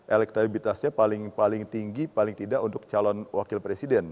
elektabilitasnya paling tinggi paling tidak untuk calon wakil presiden